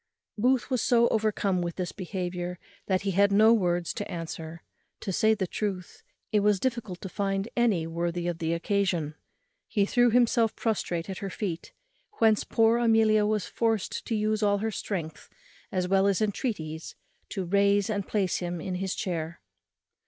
Booth was so overcome with this behaviour, that he had no words to answer. To say the truth, it was difficult to find any worthy of the occasion. He threw himself prostrate at her feet, whence poor Amelia was forced to use all her strength as well as entreaties to raise and place him in his chair.